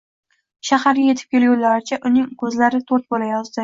Shaharga etib kelgunlaricha uning ko`zlari to`rt bo`layozdi